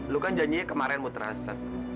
lu kan janji kemarin mutransfer